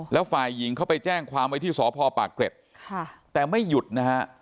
แล้วฝ่ายหญิงเขาไปแจ้งความไว้ที่สพปากเกร็ดแต่ไม่หยุดนะฮะ